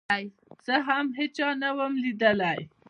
زه هم هېچا نه وم ليدلى.